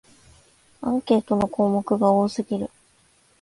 アンケートの項目が多すぎる